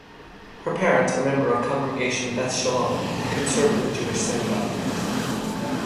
Her parents are members of Congregation Beth Shalom, a Conservative Jewish synagogue.